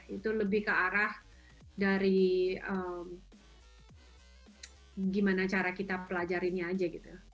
itu lebih ke arah dari bagaimana cara kita pelajarinya saja